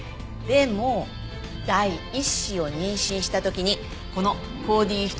でも第一子を妊娠した時にこの抗Ｄヒト